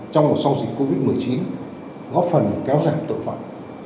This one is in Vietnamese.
trong một sau dịch covid một mươi chín góp phần kéo giá tội phạm